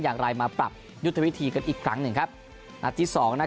อย่างไรมาปรับยุทธวิธีกันอีกครั้งหนึ่งครับนัดที่สองนะ